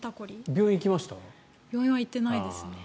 病院は行ってないですね。